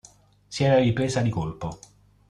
Si era ripresa di colpo.